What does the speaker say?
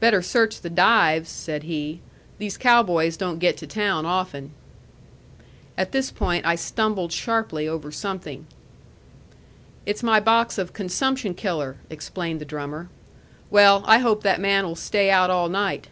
"Better search the dives," said he. "These cow boys don't get to town often." At this point I stumbled sharply over something. "It's my box of Consumption Killer," explained the drummer; "Well, I hope that man will stay out all night."